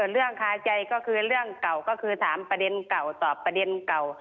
เรื่องคาใจก็คือเรื่องเก่าก็คือ๓ประเด็นเก่าตอบประเด็นเก่า